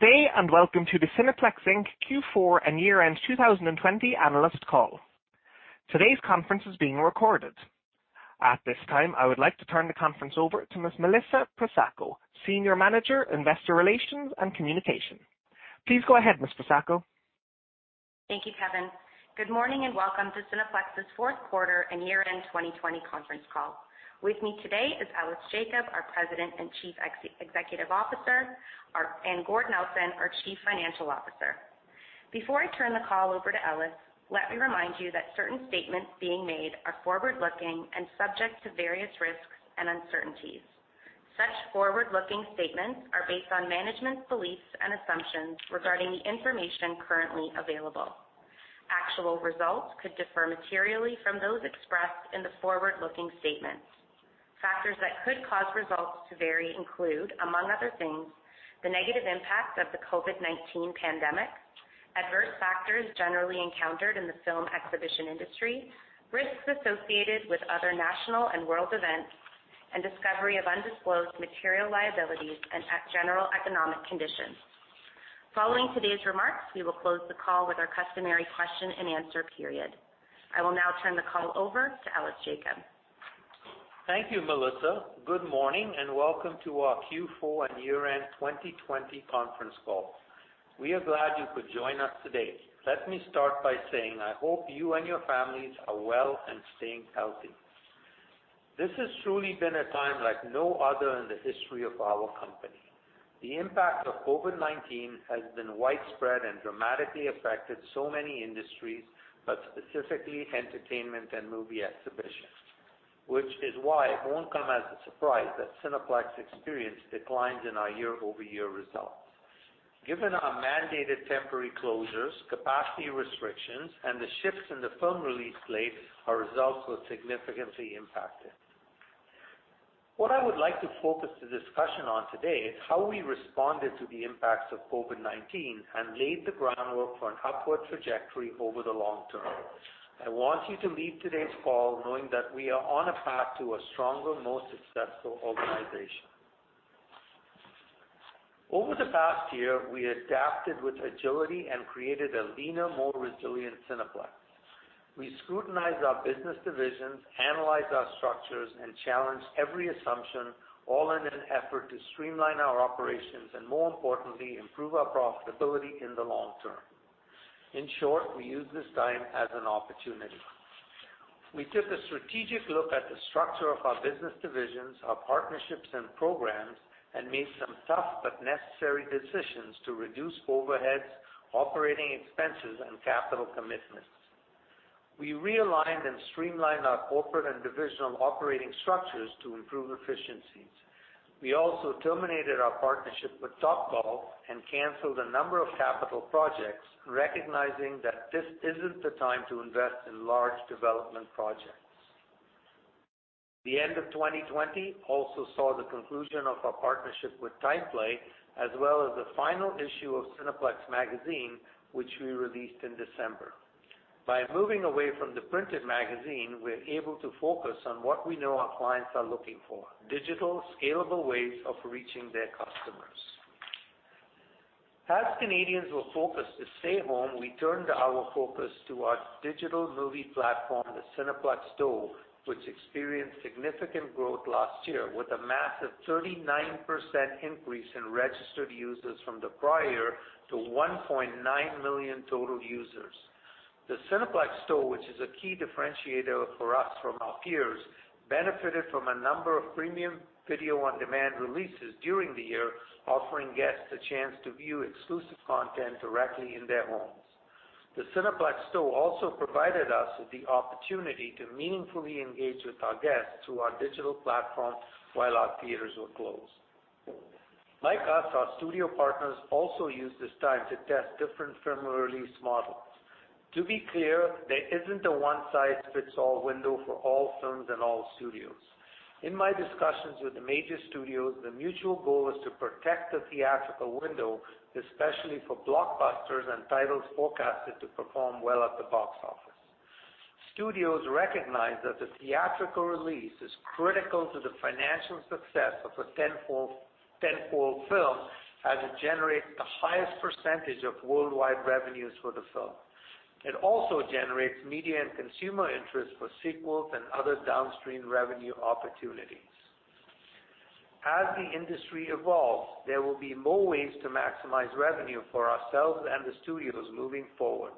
Good day, and welcome to the Cineplex Inc. Q4 and year-end 2020 analyst call. Today's conference is being recorded. At this time, I would like to turn the conference over to Ms. Melissa Pressacco, Senior Manager, Investor Relations and Communication. Please go ahead, Ms. Pressacco. Thank you, Kevin. Good morning and welcome to Cineplex's fourth quarter and year-end 2020 conference call. With me today is Ellis Jacob, our President and Chief Executive Officer, and Gord Nelson, our Chief Financial Officer. Before I turn the call over to Ellis, let me remind you that certain statements being made are forward-looking and subject to various risks and uncertainties. Such forward-looking statements are based on management's beliefs and assumptions regarding the information currently available. Actual results could differ materially from those expressed in the forward-looking statements. Factors that could cause results to vary include, among other things, the negative impact of the COVID-19 pandemic, adverse factors generally encountered in the film exhibition industry, risks associated with other national and world events, and discovery of undisclosed material liabilities and general economic conditions. Following today's remarks, we will close the call with our customary question and answer period. I will now turn the call over to Ellis Jacob. Thank you, Melissa. Good morning, welcome to our Q4 and year-end 2020 conference call. We are glad you could join us today. Let me start by saying, I hope you and your families are well and staying healthy. This has truly been a time like no other in the history of our company. The impact of COVID-19 has been widespread and dramatically affected so many industries, specifically entertainment and movie exhibition, which is why it won't come as a surprise that Cineplex experienced declines in our year-over-year results. Given our mandated temporary closures, capacity restrictions, and the shifts in the film release slate, our results were significantly impacted. What I would like to focus the discussion on today is how we responded to the impacts of COVID-19 and laid the groundwork for an upward trajectory over the long term. I want you to leave today's call knowing that we are on a path to a stronger, more successful organization. Over the past year, we adapted with agility and created a leaner, more resilient Cineplex. We scrutinized our business divisions, analyzed our structures, and challenged every assumption, all in an effort to streamline our operations and, more importantly, improve our profitability in the long term. In short, we used this time as an opportunity. We took a strategic look at the structure of our business divisions, our partnerships and programs, and made some tough but necessary decisions to reduce overheads, operating expenses, and capital commitments. We realigned and streamlined our corporate and divisional operating structures to improve efficiencies. We also terminated our partnership with Topgolf and canceled a number of capital projects, recognizing that this isn't the time to invest in large development projects. The end of 2020 also saw the conclusion of our partnership with TimePlay, as well as the final issue of Cineplex Magazine, which we released in December. By moving away from the printed magazine, we're able to focus on what we know our clients are looking for: digital, scalable ways of reaching their customers. As Canadians were focused to stay home, we turned our focus to our digital movie platform, the Cineplex Store, which experienced significant growth last year with a massive 39% increase in registered users from the prior year to 1.9 million total users. The Cineplex Store, which is a key differentiator for us from our peers, benefited from a number of premium video-on-demand releases during the year, offering guests the chance to view exclusive content directly in their homes. The Cineplex Store also provided us with the opportunity to meaningfully engage with our guests through our digital platform while our theaters were closed. Like us, our studio partners also used this time to test different film release models. To be clear, there isn't a one-size-fits-all window for all films and all studios. In my discussions with the major studios, the mutual goal is to protect the theatrical window, especially for blockbusters and titles forecasted to perform well at the box office. Studios recognize that the theatrical release is critical to the financial success of a tentpole film as it generates the highest percentage of worldwide revenues for the film. It also generates media and consumer interest for sequels and other downstream revenue opportunities. As the industry evolves, there will be more ways to maximize revenue for ourselves and the studios moving forward.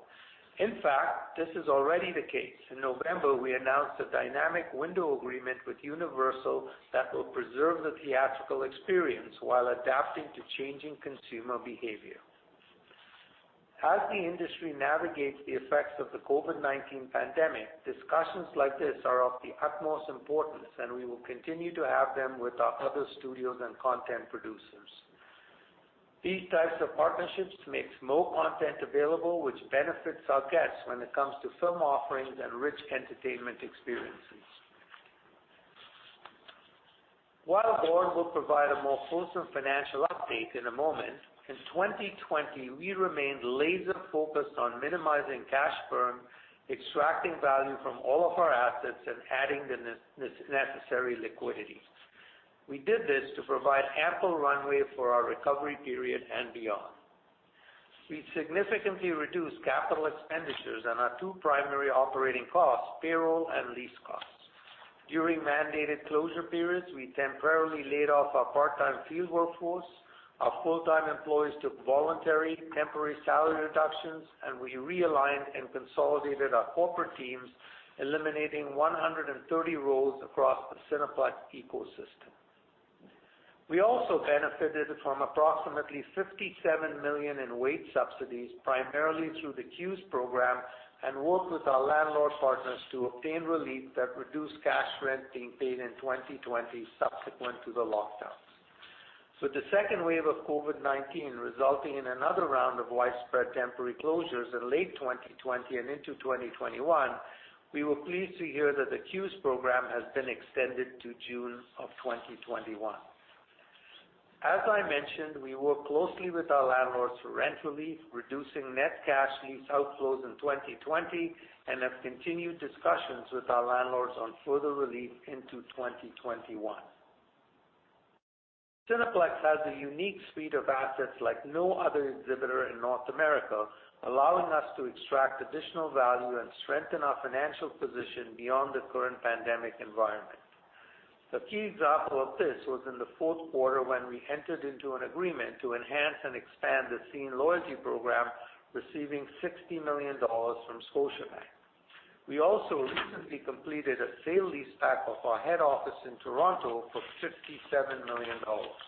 In fact, this is already the case. In November, we announced a dynamic window agreement with Universal that will preserve the theatrical experience while adapting to changing consumer behavior. As the industry navigates the effects of the COVID-19 pandemic, discussions like this are of the utmost importance, and we will continue to have them with our other studios and content producers. These types of partnerships makes more content available, which benefits our guests when it comes to film offerings and rich entertainment experiences. While Gord will provide a more wholesome financial update in a moment, in 2020, we remained laser-focused on minimizing cash burn, extracting value from all of our assets, and adding the necessary liquidity. We did this to provide ample runway for our recovery period and beyond. We significantly reduced capital expenditures and our two primary operating costs, payroll and lease costs. During mandated closure periods, we temporarily laid off our part-time field workforce. Our full-time employees took voluntary temporary salary reductions, and we realigned and consolidated our corporate teams, eliminating 130 roles across the Cineplex ecosystem. We also benefited from approximately 57 million in wage subsidies, primarily through the CEWS program, and worked with our landlord partners to obtain relief that reduced cash rent being paid in 2020 subsequent to the lockdowns. The second wave of COVID-19, resulting in another round of widespread temporary closures in late 2020 and into 2021, we were pleased to hear that the CEWS program has been extended to June of 2021. As I mentioned, we work closely with our landlords for rent relief, reducing net cash lease outflows in 2020, and have continued discussions with our landlords on further relief into 2021. Cineplex has a unique suite of assets like no other exhibitor in North America, allowing us to extract additional value and strengthen our financial position beyond the current pandemic environment. The key example of this was in the fourth quarter, when we entered into an agreement to enhance and expand the Scene loyalty program, receiving 60 million dollars from Scotiabank. We also recently completed a sale leaseback of our head office in Toronto for 57 million dollars.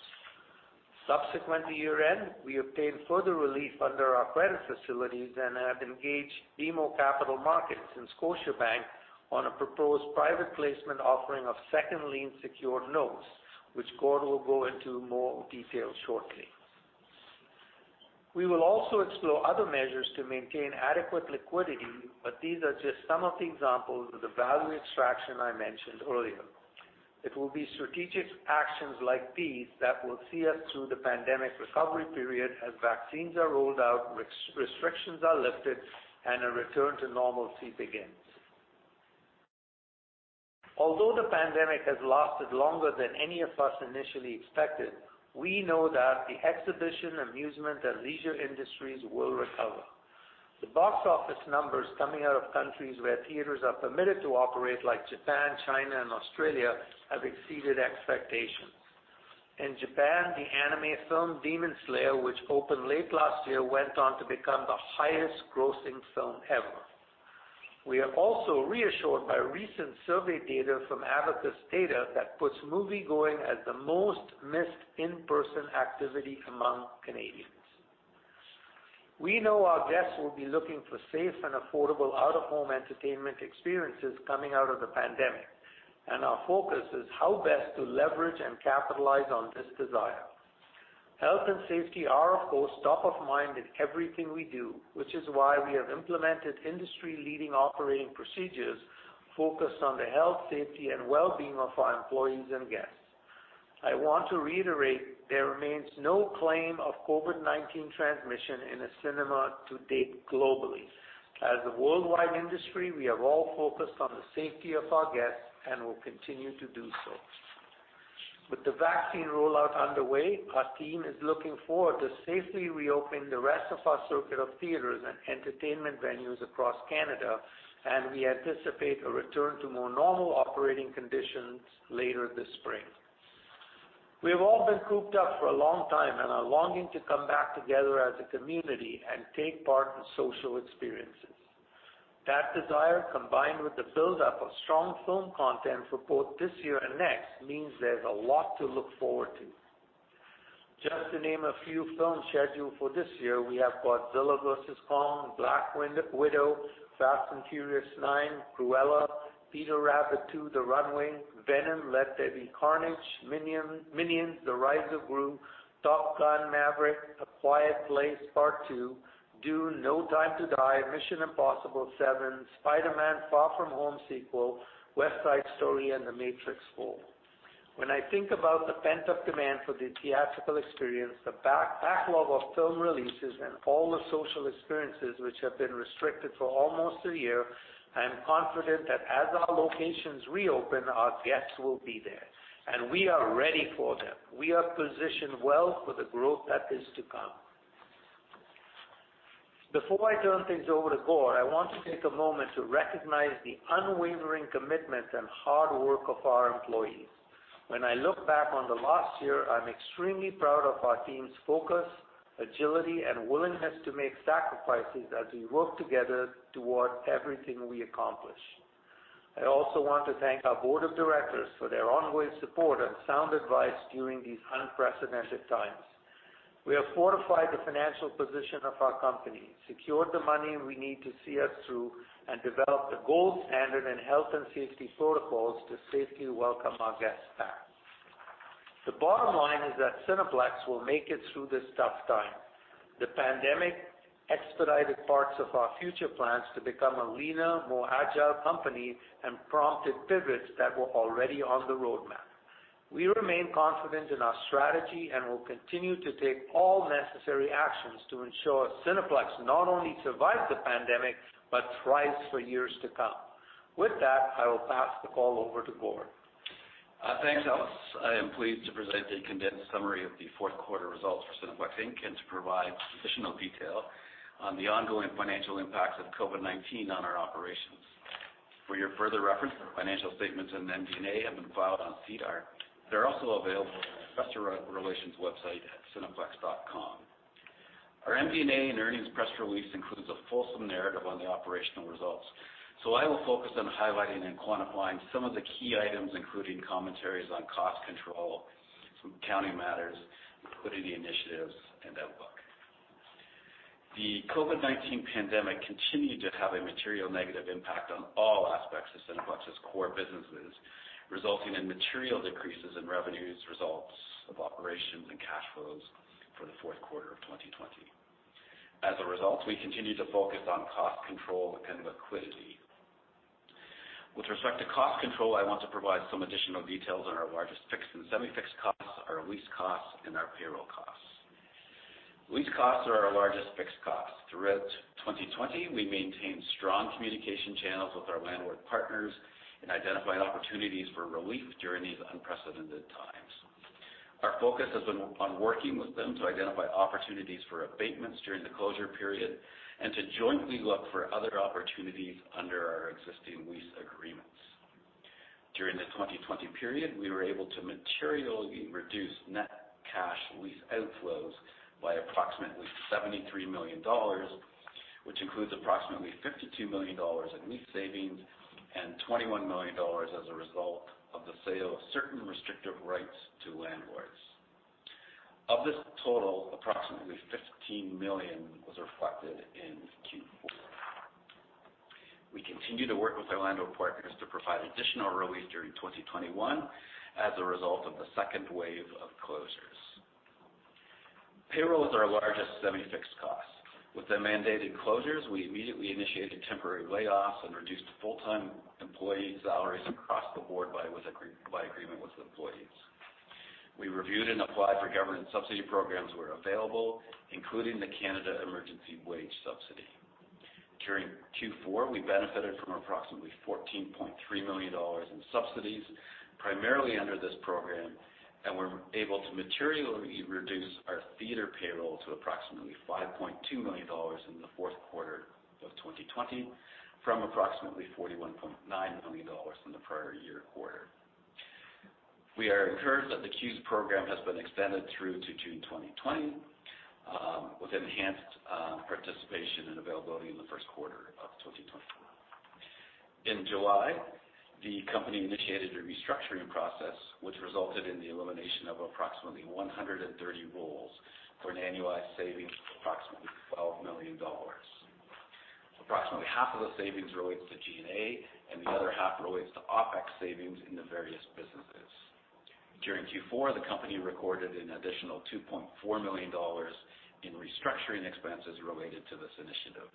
Subsequent to year-end, we obtained further relief under our credit facilities and have engaged BMO Capital Markets and Scotiabank on a proposed private placement offering of second lien secured notes, which Gord will go into more detail shortly. We will also explore other measures to maintain adequate liquidity, but these are just some of the examples of the value extraction I mentioned earlier. It will be strategic actions like these that will see us through the pandemic recovery period as vaccines are rolled out, restrictions are lifted, and a return to normalcy begins. Although the pandemic has lasted longer than any of us initially expected, we know that the exhibition, amusement, and leisure industries will recover. The box office numbers coming out of countries where theaters are permitted to operate, like Japan, China, and Australia, have exceeded expectations. In Japan, the anime film "Demon Slayer," which opened late last year, went on to become the highest-grossing film ever. We are also reassured by recent survey data from Abacus Data that puts moviegoing as the most missed in-person activity among Canadians. We know our guests will be looking for safe and affordable out-of-home entertainment experiences coming out of the pandemic, and our focus is how best to leverage and capitalize on this desire. Health and safety are, of course, top of mind in everything we do, which is why we have implemented industry-leading operating procedures focused on the health, safety, and wellbeing of our employees and guests. I want to reiterate there remains no claim of COVID-19 transmission in a cinema to date globally. As a worldwide industry, we are all focused on the safety of our guests and will continue to do so. With the vaccine rollout underway, our team is looking forward to safely reopen the rest of our circuit of theaters and entertainment venues across Canada. We anticipate a return to more normal operating conditions later this spring. We've all been cooped up for a long time and are longing to come back together as a community and take part in social experiences. That desire, combined with the buildup of strong film content for both this year and next, means there's a lot to look forward to. Just to name a few films scheduled for this year, we have "Godzilla vs. Kong," "Black Widow," "Fast & Furious 9," "Cruella," "Peter Rabbit 2: The Runaway," "Venom: Let There Be Carnage," "Minions: The Rise of Gru," "Top Gun: Maverick," "A Quiet Place Part II," "Dune," "No Time to Die," "Mission: Impossible 7," "Spider-Man: No Way Home," "West Side Story," and "The Matrix Resurrections." When I think about the pent-up demand for the theatrical experience, the backlog of film releases, and all the social experiences which have been restricted for almost a year, I am confident that as our locations reopen, our guests will be there, and we are ready for them. We are positioned well for the growth that is to come. Before I turn things over to Gord, I want to take a moment to recognize the unwavering commitment and hard work of our employees. When I look back on the last year, I'm extremely proud of our team's focus, agility, and willingness to make sacrifices as we work together toward everything we accomplish. I also want to thank our board of directors for their ongoing support and sound advice during these unprecedented times. We have fortified the financial position of our company, secured the money we need to see us through, and developed the gold standard in health and safety protocols to safely welcome our guests back. The bottom line is that Cineplex will make it through this tough time. The pandemic expedited parts of our future plans to become a leaner, more agile company and prompted pivots that were already on the roadmap. We remain confident in our strategy and will continue to take all necessary actions to ensure Cineplex not only survives the pandemic but thrives for years to come. With that, I will pass the call over to Gord. Thanks, Ellis. I am pleased to present a condensed summary of the fourth quarter results for Cineplex Inc., and to provide additional detail on the ongoing financial impacts of COVID-19 on our operations. For your further reference, our financial statements and MD&A have been filed on SEDAR. They're also available on our investor relations website at cineplex.com. Our MD&A and earnings press release includes a fulsome narrative on the operational results. I will focus on highlighting and quantifying some of the key items, including commentaries on cost control, some accounting matters, including the initiatives and outlook. The COVID-19 pandemic continued to have a material negative impact on all aspects of Cineplex's core businesses, resulting in material decreases in revenues, results of operations, and cash flows for the fourth quarter of 2020. As a result, we continued to focus on cost control and liquidity. With respect to cost control, I want to provide some additional details on our largest fixed and semi-fixed costs, our lease costs, and our payroll costs. Lease costs are our largest fixed costs. Throughout 2020, we maintained strong communication channels with our landlord partners in identifying opportunities for relief during these unprecedented times. Our focus has been on working with them to identify opportunities for abatements during the closure period and to jointly look for other opportunities under our existing lease agreements. During the 2020 period, we were able to materially reduce net cash lease outflows by approximately 73 million dollars, which includes approximately 52 million dollars in lease savings and 21 million dollars as a result of the sale of certain restrictive rights to landlords. Of this total, approximately 15 million was reflected in Q4. We continue to work with our landlord partners to provide additional relief during 2021 as a result of the second wave of closures. Payroll is our largest semi-fixed cost. With the mandated closures, we immediately initiated temporary layoffs and reduced full-time employees' salaries across the board by agreement with the employees. We reviewed and applied for government subsidy programs where available, including the Canada Emergency Wage Subsidy. During Q4, we benefited from approximately 14.3 million dollars in subsidies, primarily under this program, and were able to materially reduce our theater payroll to approximately 5.2 million dollars in the fourth quarter of 2020 from approximately 41.9 million dollars in the prior year quarter. We are encouraged that the CEWS program has been extended through to June 2020, with enhanced participation and availability in the first quarter of 2021. In July, the company initiated a restructuring process, which resulted in the elimination of approximately 130 roles for an annualized saving of approximately 12 million dollars. Approximately half of the savings relates to G&A and the other half relates to OpEx savings in the various businesses. During Q4, the company recorded an additional 2.4 million dollars in restructuring expenses related to this initiative.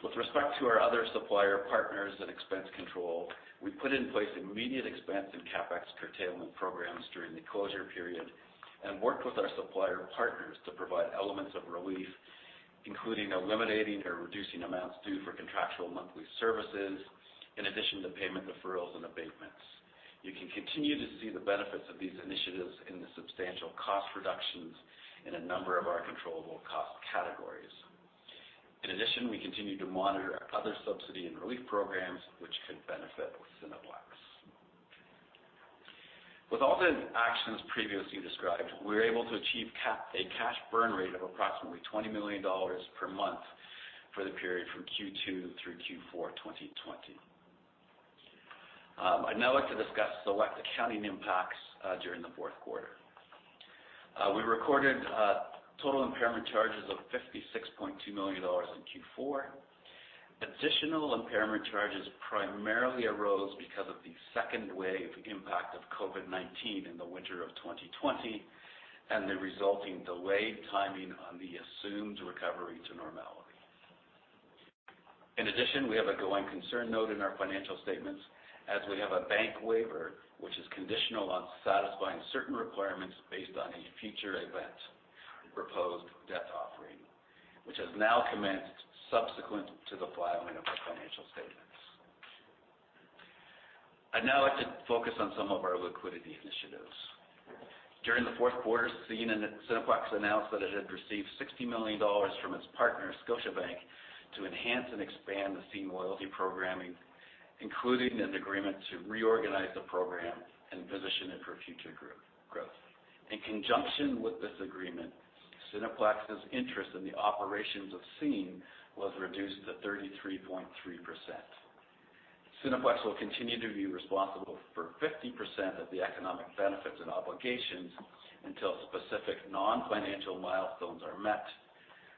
With respect to our other supplier partners and expense control, we put in place immediate expense and CapEx curtailment programs during the closure period and worked with our supplier partners to provide elements of relief, including eliminating or reducing amounts due for contractual monthly services, in addition to payment deferrals and abatements. You can continue to see the benefits of these initiatives in the substantial cost reductions in a number of our controllable cost categories. We continue to monitor other subsidy and relief programs which could benefit Cineplex. With all the actions previously described, we were able to achieve a cash burn rate of approximately 20 million dollars per month for the period from Q2 through Q4 2020. I'd now like to discuss select accounting impacts during the fourth quarter. We recorded total impairment charges of 56.2 million dollars in Q4. Additional impairment charges primarily arose because of the second wave impact of COVID-19 in the winter of 2020, and the resulting delayed timing on the assumed recovery to normality. We have a going concern note in our financial statements, as we have a bank waiver, which is conditional on satisfying certain requirements based on a future event proposed debt offering, which has now commenced subsequent to the filing of our financial statements. I'd now like to focus on some of our liquidity initiatives. During the fourth quarter, Scene and Cineplex announced that it had received 60 million dollars from its partner, Scotiabank, to enhance and expand the Scene loyalty programming, including an agreement to reorganize the program and position it for future growth. In conjunction with this agreement, Cineplex's interest in the operations of Scene was reduced to 33.3%. Cineplex will continue to be responsible for 50% of the economic benefits and obligations until specific non-financial milestones are met,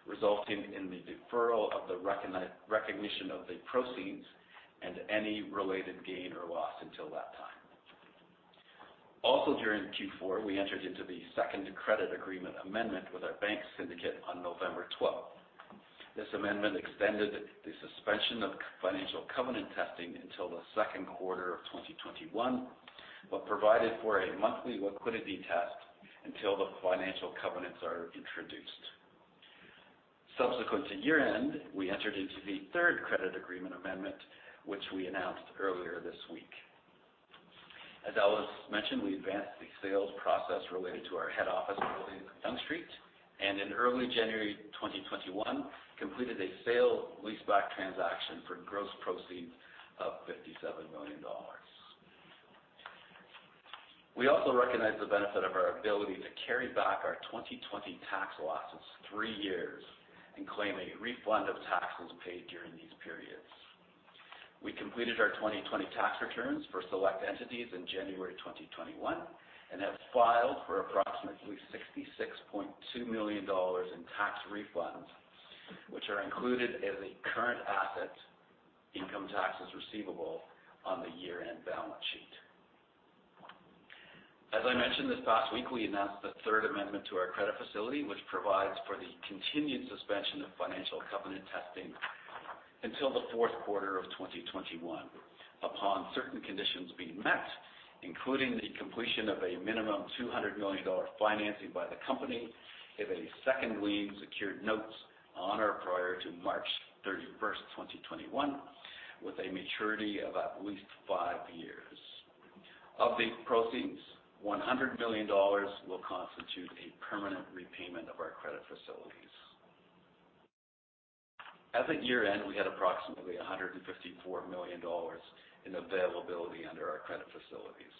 resulting in the deferral of the recognition of the proceeds and any related gain or loss until that time. Also, during Q4, we entered into the second credit agreement amendment with our bank syndicate on November 12th. This amendment extended the suspension of financial covenant testing until the second quarter of 2021. Provided for a monthly liquidity test until the financial covenants are introduced. Subsequent to year-end, we entered into the third credit agreement amendment, which we announced earlier this week. As Ellis mentioned, we advanced the sales process related to our head office building on Yonge Street, and in early January 2021, completed a sale leaseback transaction for gross proceeds of 57 million dollars. We also recognize the benefit of our ability to carry back our 2020 tax losses three years and claim a refund of taxes paid during these periods. We completed our 2020 tax returns for select entities in January 2021 and have filed for approximately 66.2 million dollars in tax refunds, which are included as a current asset, income taxes receivable on the year-end balance sheet. As I mentioned this past week, we announced the third amendment to our credit facility, which provides for the continued suspension of financial covenant testing until the fourth quarter of 2021. Upon certain conditions being met, including the completion of a minimum 200 million dollar financing by the company of second lien secured notes on or prior to March 31st, 2021, with a maturity of at least five years. Of the proceeds, 100 million dollars will constitute a permanent repayment of our credit facilities. At the year-end, we had approximately 154 million dollars in availability under our credit facilities.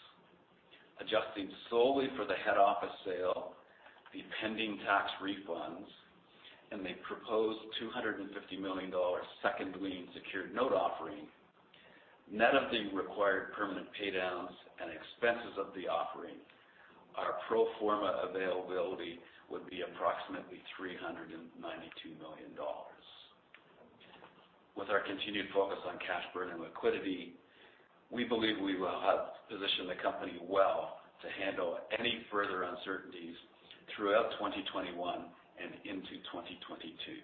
Adjusting solely for the head office sale, the pending tax refunds, and the proposed 250 million dollars second lien secured note offering. Net of the required permanent pay-downs and expenses of the offering, our pro forma availability would be approximately 392 million dollars. With our continued focus on cash burn and liquidity, we believe we will have positioned the company well to handle any further uncertainties throughout 2021 and into 2022.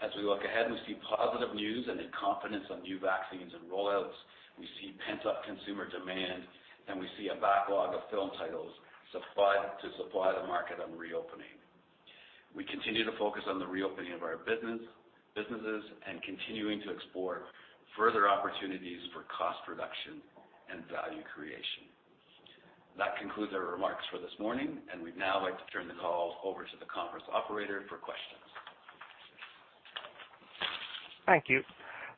As we look ahead, we see positive news and the confidence on new vaccines and roll-outs. We see pent-up consumer demand, and we see a backlog of film titles to supply the market on reopening. We continue to focus on the reopening of our businesses and continuing to explore further opportunities for cost reduction and value creation. That concludes our remarks for this morning, and we'd now like to turn the call over to the conference operator for questions. Thank you.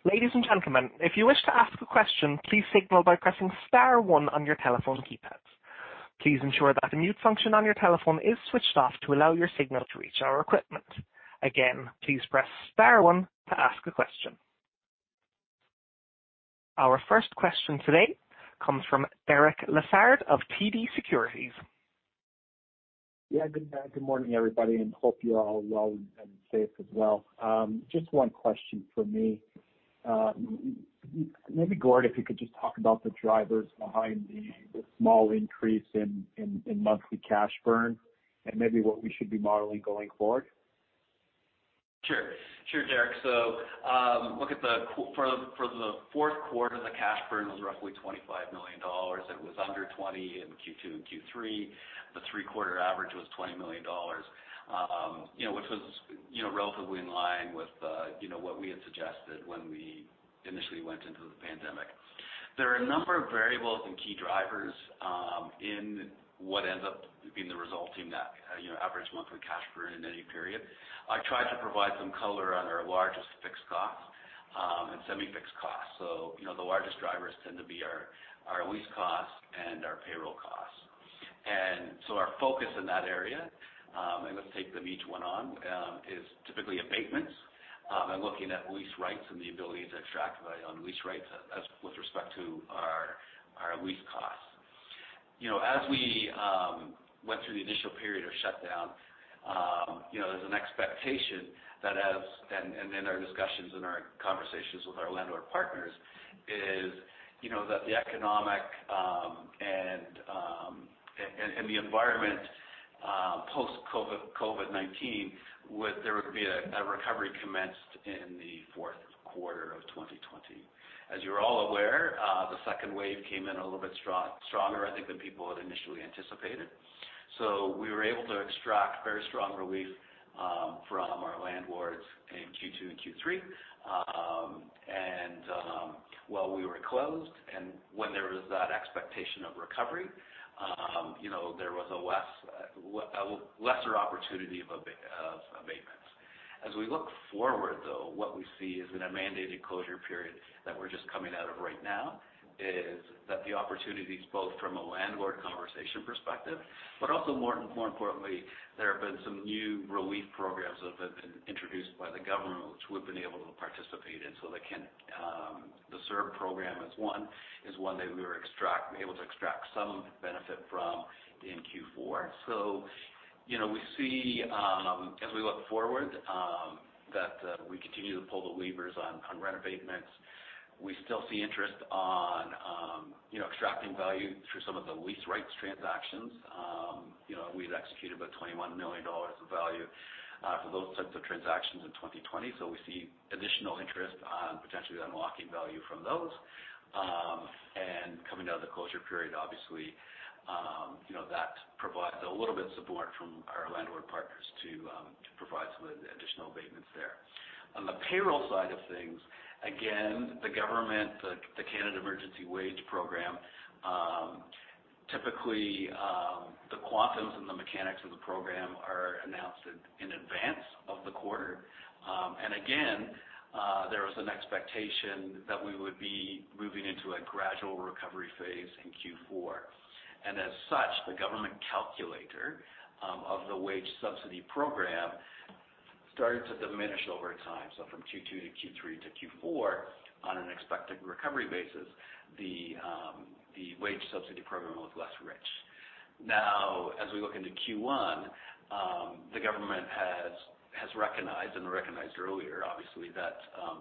Ladies and gentlemen, if you wish to ask a question, please signal by pressing star one on your telephone keypad. Please ensure that the mute function on your telephone is switched off to allow your signal to reach our equipment. Again, please press star one to ask a question. Our first question today comes from Derek Lessard of TD Securities. Good morning, everybody. Hope you're all well and safe as well. Just one question from me. Maybe Gord, if you could just talk about the drivers behind the small increase in monthly cash burn and maybe what we should be modeling going forward. Sure, Derek. For the fourth quarter, the cash burn was roughly 25 million dollars. It was under 20 million in Q2 and Q3. The three-quarter average was 20 million dollars, which was relatively in line with what we had suggested when we initially went into the pandemic. There are a number of variables and key drivers in what ends up being the resulting net average monthly cash burn in any period. I tried to provide some color on our largest fixed cost and semi-fixed costs. The largest drivers tend to be our lease costs and our payroll costs. Our focus in that area, and let's take them each one on, is typically abatements and looking at lease rates and the ability to extract value on lease rates as with respect to our lease costs. We went through the initial period of shutdown, there's an expectation that in our discussions and our conversations with our landlord partners is that the economic and the environment post-COVID-19 would there be a recovery commenced in the fourth quarter of 2020. You're all aware, the second wave came in a little bit stronger, I think, than people had initially anticipated. We were able to extract very strong relief from our landlords in Q2 and Q3. While we were closed and when there was that expectation of recovery, there was a lesser opportunity of abatements. What we see is in a mandated closure period that we're just coming out of right now is that the opportunities both from a landlord conversation perspective, more importantly, there have been some new relief programs that have been introduced by the government, which we've been able to participate in. The CECRA program is one that we were able to extract some benefit from in Q4. We see as we look forward, that we continue to pull the levers on rent abatements. We still see interest on extracting value through some of the lease rights transactions. We've executed about 21 million dollars of value for those types of transactions in 2020. We see additional interest on potentially unlocking value from those. Coming out of the closure period, obviously, that provides a little bit of support from our landlord partners to provide some additional abatements there. On the payroll side of things, again, the government, the Canada Emergency Wage Subsidy, typically, the quantums and the mechanics of the program are announced in advance of the quarter. Again, there was an expectation that we would be moving into a gradual recovery phase in Q4. As such, the government calculator of the Canada Emergency Wage Subsidy program started to diminish over time. From Q2 to Q3 to Q4, on an expected recovery basis, the Canada Emergency Wage Subsidy program was less rich. As we look into Q1, the government has recognized, and recognized earlier, obviously, that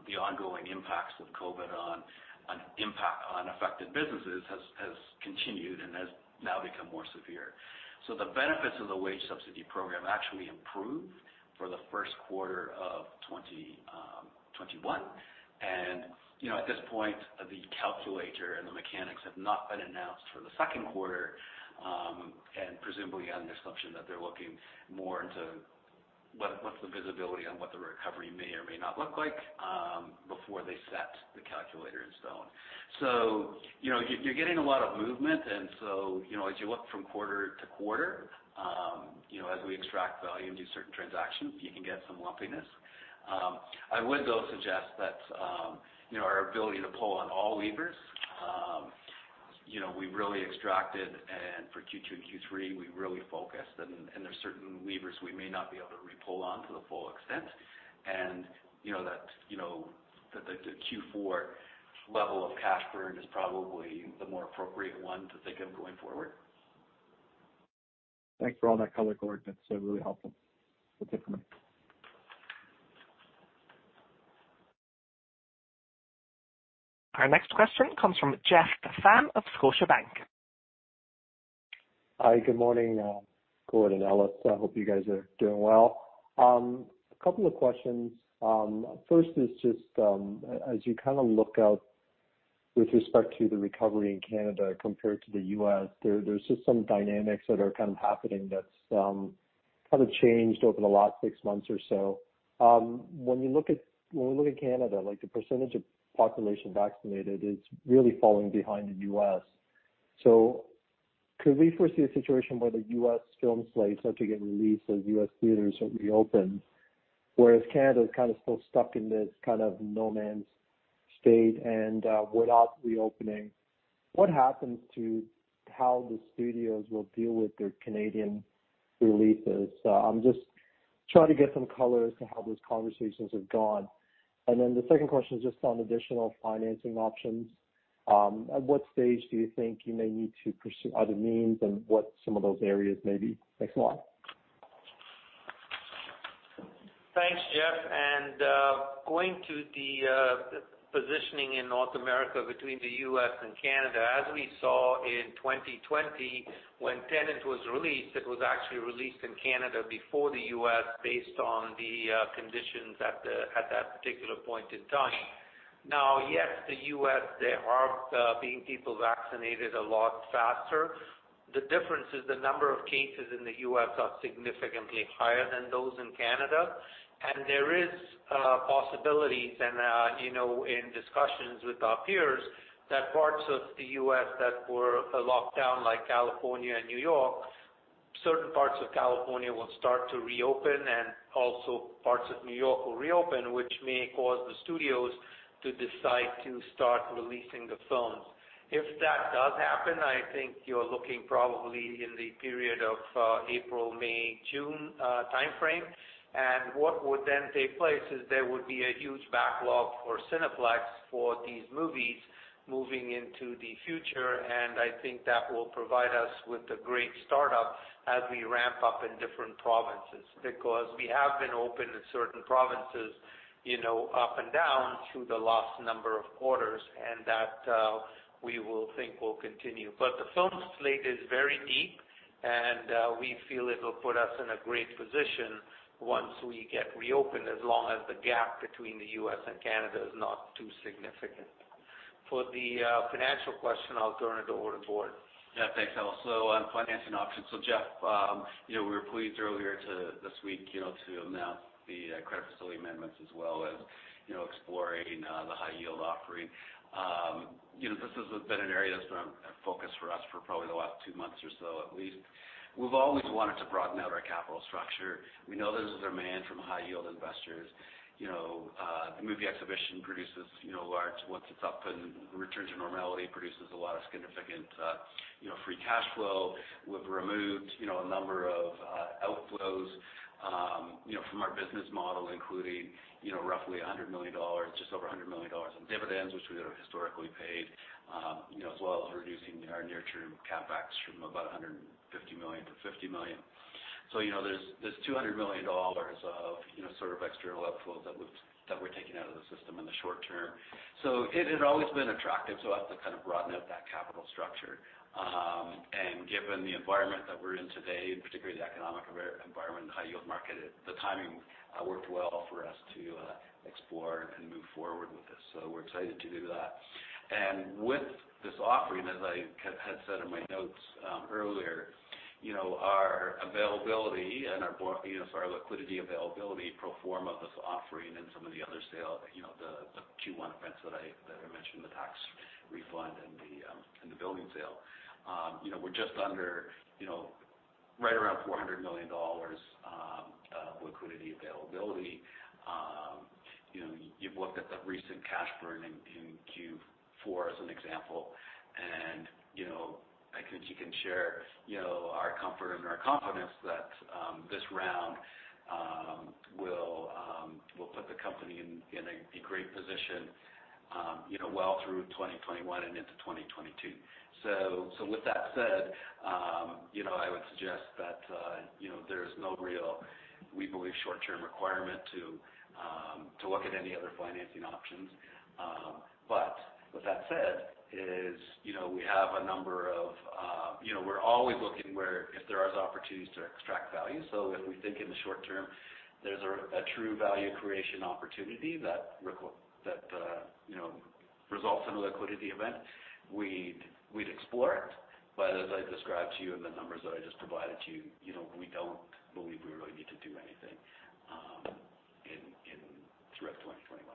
the ongoing impacts with COVID-19 on impact on affected businesses has continued and has now become more severe. The benefits of the wage subsidy program actually improved for the first quarter of 2021. At this point, the calculator and the mechanics have not been announced for the second quarter, and presumably on the assumption that they're looking more into what's the visibility on what the recovery may or may not look like before they set the calculator in stone. You're getting a lot of movement, and so as you look from quarter to quarter, as we extract value and do certain transactions, you can get some lumpiness. I would, though, suggest that our ability to pull on all levers, we really extracted, and for Q2 and Q3, we really focused. There's certain levers we may not be able to re-pull on to the full extent. That the Q4 level of cash burn is probably the more appropriate one to think of going forward. Thanks for all that color, Gord. That's really helpful. That's it for me. Our next question comes from Jeff Fan of Scotiabank. Hi, good morning, Gord and Ellis. I hope you guys are doing well. A couple of questions. First is just as you kind of look out with respect to the recovery in Canada compared to the U.S., there's just some dynamics that are kind of happening that's kind of changed over the last six months or so. When we look at Canada, the percentage of population vaccinated is really falling behind the U.S. Could we foresee a situation where the U.S. film slate starts to get released as U.S. theaters are reopened, whereas Canada is kind of still stuck in this kind of no-man's state and without reopening. What happens to how the studios will deal with their Canadian releases? I'm just trying to get some color as to how those conversations have gone. The second question is just on additional financing options. At what stage do you think you may need to pursue other means and what some of those areas may be? Thanks a lot. Thanks, Jeff. Going to the positioning in North America between the U.S. and Canada, as we saw in 2020 when "Tenet" was released, it was actually released in Canada before the U.S. based on the conditions at that particular point in time. Now, yes, the U.S., there are being people vaccinated a lot faster. The difference is the number of cases in the U.S. are significantly higher than those in Canada. There is possibilities and in discussions with our peers, that parts of the U.S. that were locked down, like California and New York, certain parts of California will start to reopen and also parts of New York will reopen, which may cause the studios to decide to start releasing the films. If that does happen, I think you're looking probably in the period of April, May, June timeframe. What would then take place is there would be a huge backlog for Cineplex for these movies moving into the future. I think that will provide us with a great startup as we ramp up in different provinces because we have been open in certain provinces up and down through the last number of quarters, that we will think will continue. The film slate is very deep, and we feel it'll put us in a great position once we get reopened, as long as the gap between the U.S. and Canada is not too significant. For the financial question, I'll turn it over to Gord. Yeah, thanks, Ellis. On financing options. Jeff, we were pleased earlier this week to announce the credit facility amendments as well as exploring the high-yield offering. This has been an area that's been a focus for us for probably the last two months or so at least. We've always wanted to broaden out our capital structure. We know there's a demand from high-yield investors. The movie exhibition produces large, once it's up and return to normality, produces a lot of significant free cash flow. We've removed a number of outflows from our business model, including roughly 100 million dollars, just over 100 million dollars in dividends, which we have historically paid as well as reducing our near-term CapEx from about 150 million-50 million. There's 200 million dollars of external outflow that we're taking out of the system in the short term. It had always been attractive to us to kind of broaden out that capital structure. Given the environment that we're in today, particularly the economic environment and the high-yield market, the timing worked well for us to explore and move forward with this. We're excited to do that. With this offering, as I had said in my notes earlier, our availability and our liquidity availability pro forma of this offering and some of the other sale, the Q1 events that I mentioned, the tax refund and the building sale. We're just under, right around 400 million dollars of liquidity availability. You've looked at the recent cash burn in Q4 as an example, and I think you can share our comfort and our confidence that this round will put the company in a great position well through 2021 and into 2022. With that said I would suggest that there is no real, we believe, short-term requirement to look at any other financing options. With that said, we're always looking where if there is opportunities to extract value. If we think in the short term there's a true value creation opportunity that results in a liquidity event, we'd explore it. As I described to you and the numbers that I just provided to you, we don't believe we really need to do anything throughout 2021.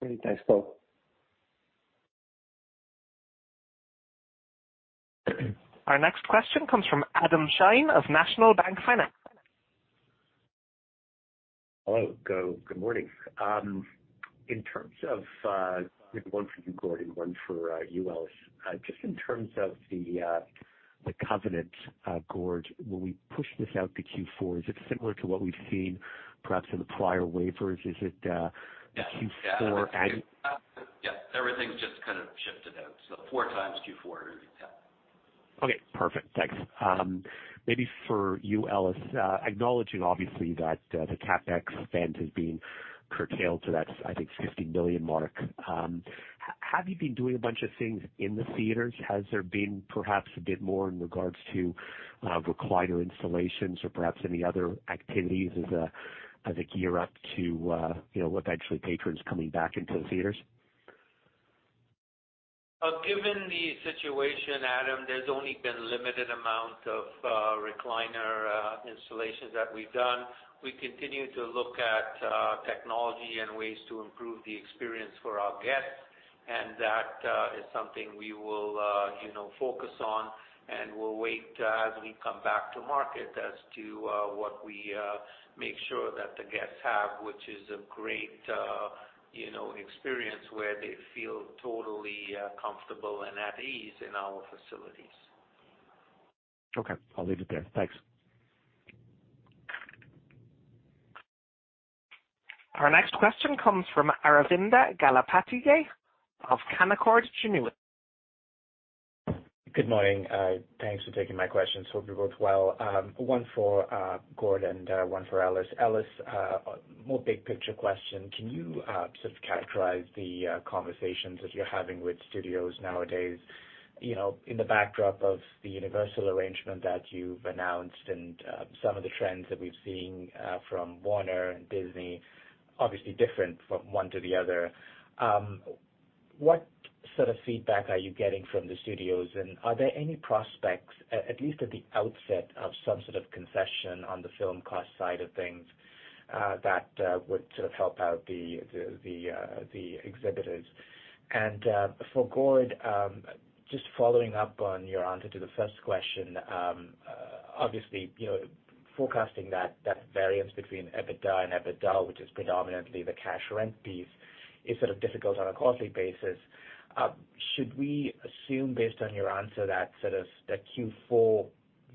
Great. Thanks, Gord. Our next question comes from Adam Shine of National Bank Financial. Hello. Good morning. I have one for you, Gord, and one for you, Ellis. Just in terms of the covenant, Gord, when we push this out to Q4, is it similar to what we've seen perhaps in the prior waivers? Is it Q4- Yes. Everything's just kind of shifted out. Four times Q4. Yeah. Okay, perfect. Thanks. Maybe for you, Ellis, acknowledging obviously that the CapEx spend has been curtailed to that, I think, 50 million mark. Have you been doing a bunch of things in the theaters? Has there been perhaps a bit more in regards to recliner installations or perhaps any other activities as you gear up to eventually patrons coming back into the theaters? Given the situation, Adam, there's only been limited amount of recliner installations that we've done. We continue to look at technology and ways to improve the experience for our guests, and that is something we will focus on. We'll wait as we come back to market as to what we make sure that the guests have, which is a great experience where they feel totally comfortable and at ease in our facilities. Okay. I'll leave it there. Thanks. Our next question comes from Aravinda Galappatthige of Canaccord Genuity. Good morning. Thanks for taking my questions. Hope you're both well. One for Gord and one for Ellis. Ellis, more big-picture question. Can you sort of characterize the conversations that you're having with studios nowadays in the backdrop of the Universal arrangement that you've announced and some of the trends that we've seen from Warner and Disney, obviously different from one to the other. What sort of feedback are you getting from the studios, and are there any prospects, at least at the outset, of some sort of concession on the film cost side of things that would sort of help out the exhibitors? For Gord, just following up on your answer to the first question. Obviously, forecasting that variance between EBITA and EBITDA, which is predominantly the cash rent piece, is sort of difficult on a quarterly basis. Should we assume, based on your answer, that sort of the Q4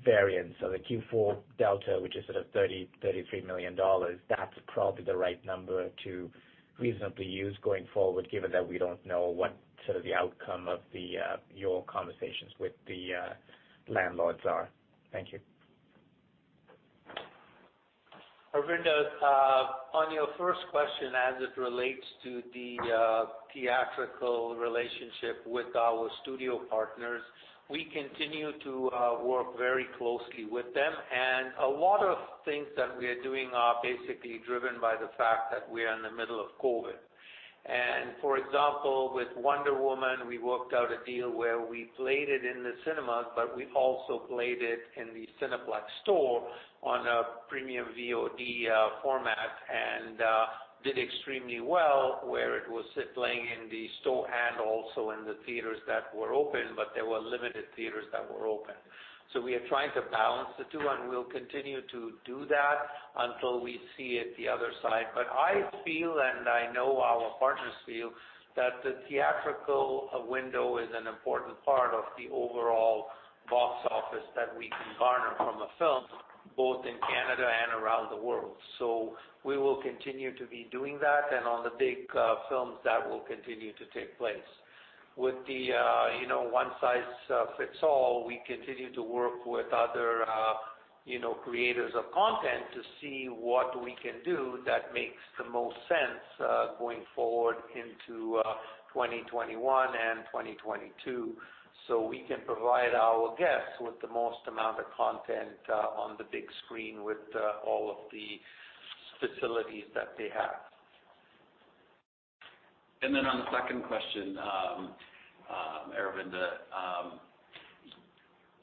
variance or the Q4 delta, which is sort of 33 million dollars, that's probably the right number to reasonably use going forward, given that we don't know what sort of the outcome of your conversations with the landlords are? Thank you. Aravinda, on your first question, as it relates to the theatrical relationship with our studio partners, we continue to work very closely with them, and a lot of things that we are doing are basically driven by the fact that we are in the middle of COVID. For example, with "Wonder Woman," we worked out a deal where we played it in the cinemas, but we also played it in the Cineplex Store on a premium VOD format and did extremely well, where it was playing in the store and also in the theaters that were open, but there were limited theaters that were open. We are trying to balance the two, and we'll continue to do that until we see it the other side. I feel, and I know our partners feel, that the theatrical window is an important part of the overall box office that we can garner from a film, both in Canada and around the world. We will continue to be doing that, and on the big films that will continue to take place. With the one-size-fits-all, we continue to work with other creators of content to see what we can do that makes the most sense going forward into 2021 and 2022, so we can provide our guests with the most amount of content on the big screen with all of the facilities that they have. On the second question, Aravinda,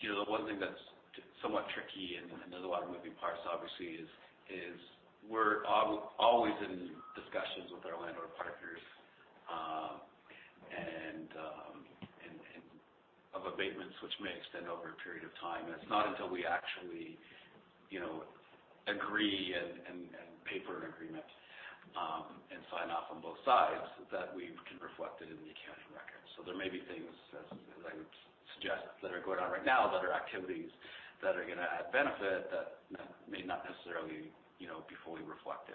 the one thing that's somewhat tricky and there's a lot of moving parts obviously is we're always in discussions with our landlord partners, and of abatements, which may extend over a period of time. It's not until we actually agree and paper an agreement, and sign off on both sides that we can reflect it in the accounting records. There may be things as I would suggest that are going on right now that are activities that are going to add benefit that may not necessarily be fully reflected.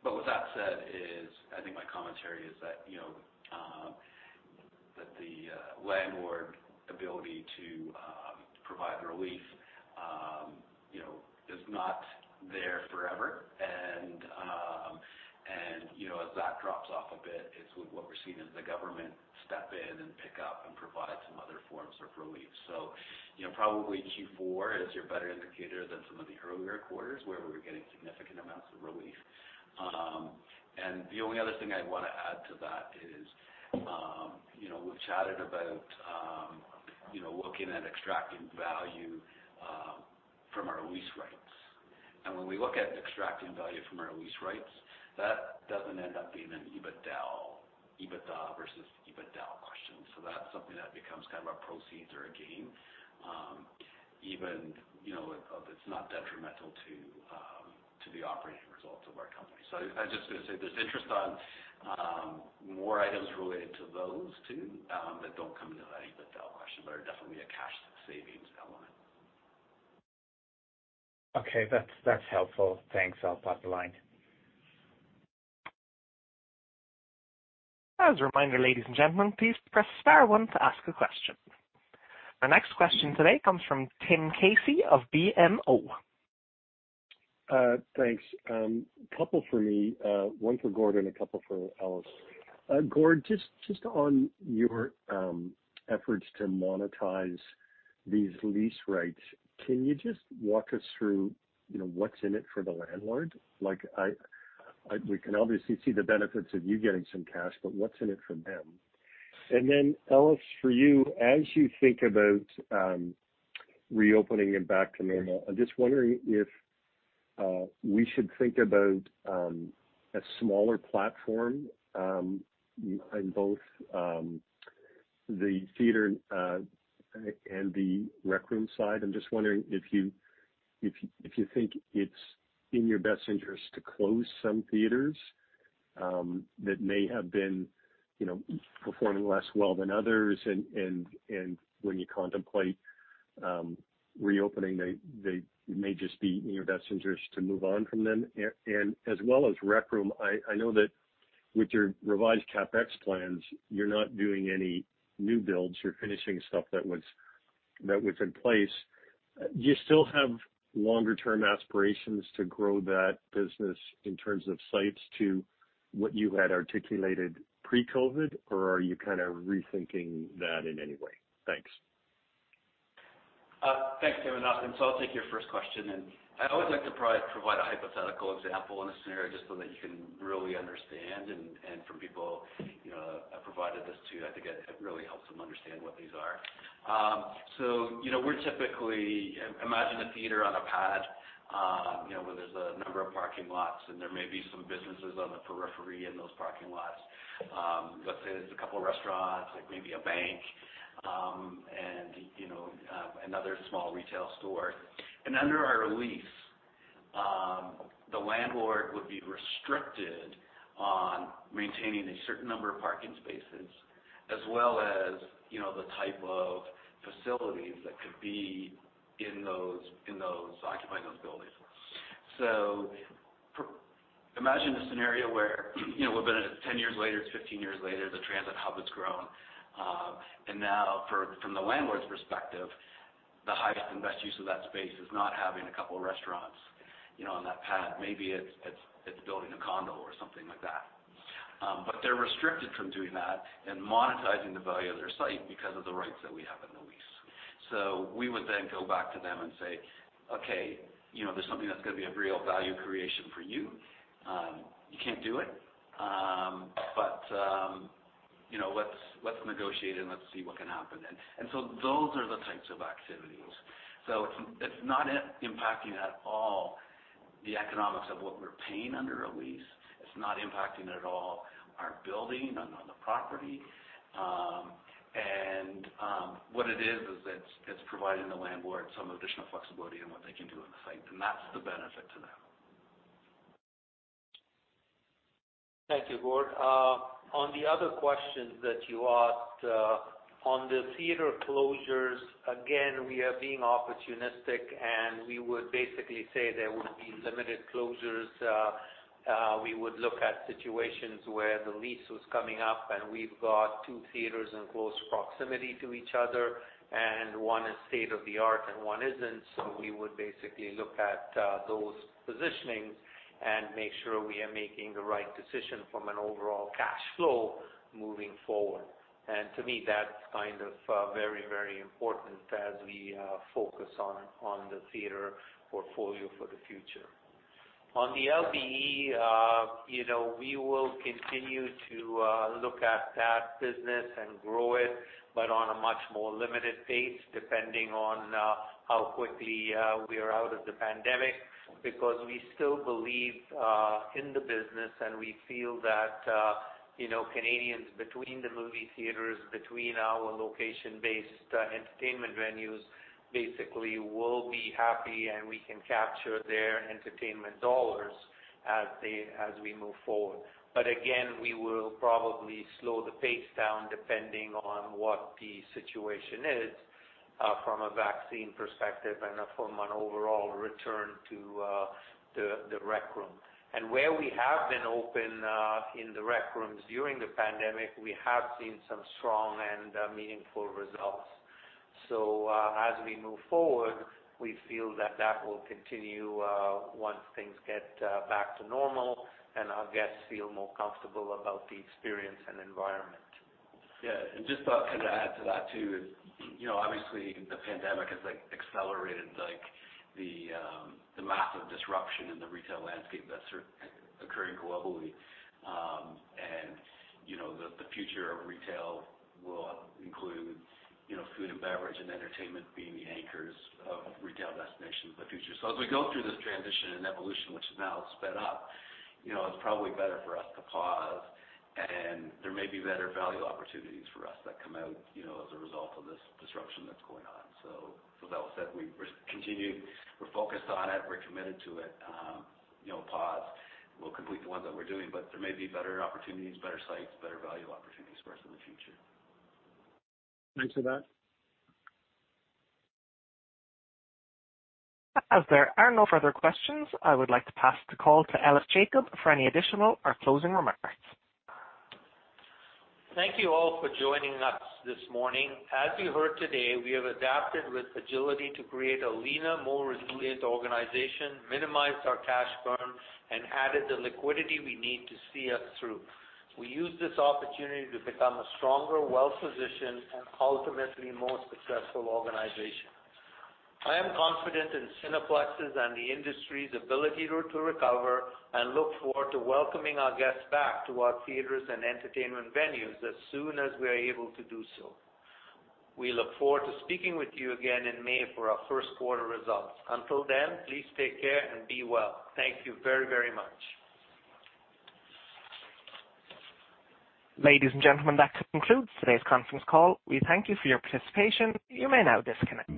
With that said is, I think my commentary is that the landlord ability to provide the relief is not there forever. As that drops off a bit, it's with what we're seeing is the government step in and pick up and provide some other forms of relief. Probably Q4 is your better indicator than some of the earlier quarters where we were getting significant amounts of relief. The only other thing I'd want to add to that is, we've chatted about looking at extracting value from our lease rights. When we look at extracting value from our lease rights, that doesn't end up being an EBITDAL, EBITDA versus EBITDAL question. That's something that becomes kind of a proceeds or a gain, even if it's not detrimental to the operating results of our company. I was just going to say there's interest on more items related to those two, that don't come into an EBITDAL question, but are definitely a cash savings element. Okay. That's helpful. Thanks. I'll pop the line. As a reminder, ladies and gentlemen, please press star one to ask a question. Our next question today comes from Tim Casey of BMO. Thanks. Couple for me. One for Gord, a couple for Ellis. Gord, just on your efforts to monetize these lease rights, can you just walk us through what's in it for the landlord? We can obviously see the benefits of you getting some cash, but what's in it for them? Ellis, for you, as you think about reopening and back to normal, I'm just wondering if we should think about a smaller platform, in both the theater, and The Rec Room side. I'm just wondering if you think it's in your best interest to close some theaters that may have been performing less well than others and when you contemplate reopening, they may just be in your best interest to move on from them. As well as The Rec Room, I know that with your revised CapEx plans, you're not doing any new builds. You're finishing stuff that was in place. Do you still have longer-term aspirations to grow that business in terms of sites to what you had articulated pre-COVID, or are you kind of rethinking that in any way? Thanks. Thanks Tim, I'll take your first question and I always like to provide a hypothetical example in a scenario just so that you can really understand and for people I've provided this to, I think it really helps them understand what these are. We're typically, imagine a theater on a pad, where there's a number of parking lots, and there may be some businesses on the periphery in those parking lots. Let's say there's a couple of restaurants, like maybe a bank, and another small retail store. Under our lease, the landlord would be restricted on maintaining a certain number of parking spaces as well as the type of facilities that could be occupying those buildings. Imagine a scenario where we've been in it 10 years later, it's 15 years later, the transit hub has grown. Now from the landlord's perspective, the highest and best use of that space is not having a couple of restaurants on that pad. Maybe it's building a condo or something like that. They're restricted from doing that and monetizing the value of their site because of the rights that we have in the lease. We would then go back to them and say, "Okay, there's something that's going to be of real value creation for you. You can't do it. Let's negotiate and let's see what can happen then." Those are the types of activities. It's not impacting at all the economics of what we're paying under a lease. It's not impacting at all our building and on the property. What it is it's providing the landlord some additional flexibility in what they can do on the site, and that's the benefit to them. Thank you, Gord. On the other questions that you asked, on the theater closures, again, we are being opportunistic, and we would basically say there would be limited closures. We would look at situations where the lease was coming up and we've got two theaters in close proximity to each other, and one is state-of-the-art and one isn't. We would basically look at those positionings and make sure we are making the right decision from an overall cash flow moving forward. To me, that's very important as we focus on the theater portfolio for the future. On the LBE, we will continue to look at that business and grow it, but on a much more limited pace, depending on how quickly we are out of the pandemic. Because we still believe in the business and we feel that Canadians, between the movie theaters, between our location-based entertainment venues, basically will be happy, and we can capture their entertainment dollars as we move forward. Again, we will probably slow the pace down depending on what the situation is from a vaccine perspective and from an overall return to The Rec Room. Where we have been open in The Rec Rooms during the pandemic, we have seen some strong and meaningful results. As we move forward, we feel that that will continue once things get back to normal and our guests feel more comfortable about the experience and environment. Yeah. Just to add to that, too. Obviously, the pandemic has accelerated the massive disruption in the retail landscape that's occurring globally. The future of retail will include food and beverage and entertainment being the anchors of retail destinations of the future. As we go through this transition and evolution, which is now sped up, it's probably better for us to pause, and there may be better value opportunities for us that come out as a result of this disruption that's going on. With that said, we're focused on it, we're committed to it. Pause. We'll complete the ones that we're doing, but there may be better opportunities, better sites, better value opportunities for us in the future. Thanks for that. As there are no further questions, I would like to pass the call to Ellis Jacob for any additional or closing remarks. Thank you all for joining us this morning. As you heard today, we have adapted with agility to create a leaner, more resilient organization, minimized our cash burn, and added the liquidity we need to see us through. We used this opportunity to become a stronger, well-positioned, and ultimately more successful organization. I am confident in Cineplex's and the industry's ability to recover and look forward to welcoming our guests back to our theaters and entertainment venues as soon as we are able to do so. We look forward to speaking with you again in May for our first quarter results. Until then, please take care and be well. Thank you very much. Ladies and gentlemen, that concludes today's conference call. We thank you for your participation. You may now disconnect.